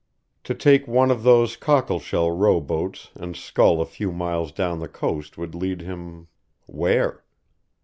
To take one of those cockleshell row boats and scull a few miles down the coast would lead him where?